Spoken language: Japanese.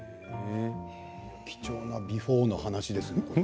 貴重なビフォーの話ですね。